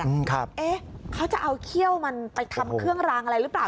ครับเอ๊ะเขาจะเอาเขี้ยวมันไปทำเครื่องรางอะไรหรือเปล่า